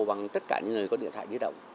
bằng tất cả những người có điện thoại di động